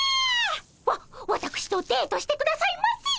わわたくしとデートしてくださいませ！